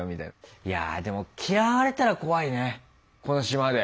いやでも嫌われたら怖いねこの島で。